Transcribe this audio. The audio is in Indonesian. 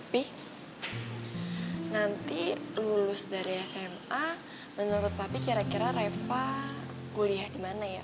tapi nanti lulus dari sma menurut tapi kira kira reva kuliah di mana ya